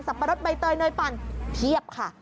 ปะรดใบเตยเนยปั่นเพียบค่ะ